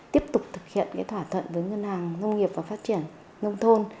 tiếp tục thực hiện thỏa thuận với ngân hàng nông nghiệp và phát triển nông thôn